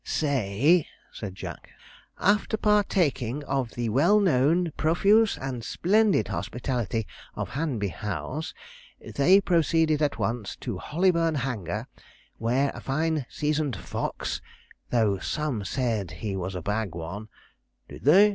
'Say,' said Jack, '"after partaking of the well known profuse and splendid hospitality of Hanby House, they proceeded at once to Hollyburn Hanger, where a fine seasoned fox though some said he was a bag one "' 'Did they?'